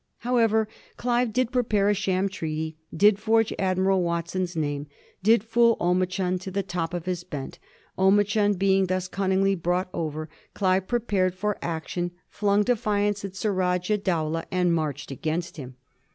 However, Olive did prepare a sham treaty, did forge Admiral Watson's name, did fool Omichund to the top of his bent. Omichund being thus cunningly bought over, Olive prepared for action, flung defiance at Surajah Dow lah, and marched against him.